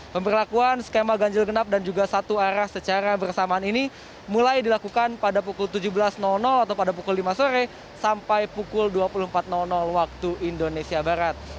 pemberlakuan skema ganjil genap dan juga satu arah secara bersamaan ini mulai dilakukan pada pukul tujuh belas atau pada pukul lima sore sampai pukul dua puluh empat waktu indonesia barat